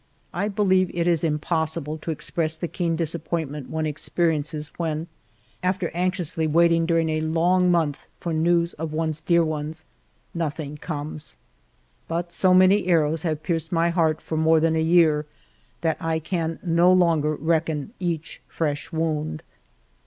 I believe it impossible to express the keen dis appointment one experiences when, after anxiously waiting during a long month for news of one's dear ones, nothing comes. But so many arrows have pierced my heart for more than a year that I can no longer reckon each fresh wound.